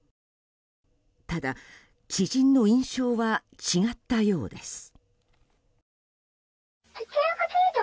ただ、知人の印象は違ったようです。